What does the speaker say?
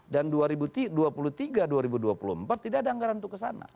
dan dua ribu dua puluh tiga dua ribu dua puluh empat tidak ada anggaran untuk kesehatan